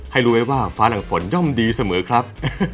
ให้รู้ไว้ว่าฟ้าหลังฝนย่อมดีเสมอครับ